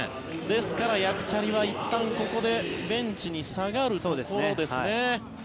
ですからヤクチャリはいったんここでベンチに下がるところですね。